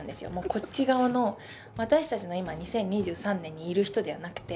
こっち側の、私たちの今２０２３年にいる人ではなくて。